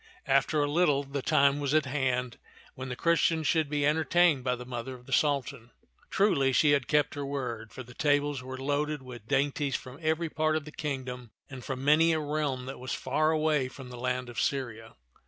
After a little, the time was at hand when the Chris tians should be entertained by the mother of the Sultan. Truly, she had kept her word, for the tables were loaded with dainties from every part of the kingdom and from many a realm that was far away from the land of Syria.